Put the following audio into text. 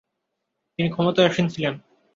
তিনি ক্ষমতায় আসীন ছিলেন।